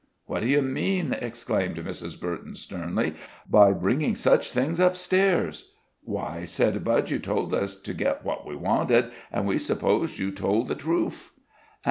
"What do you mean!" exclaimed Mrs. Burton, sternly, "by bringing such things up stairs?" "Why," said Budge, "you told us to get what we wanted, an' we supposed you told the troof."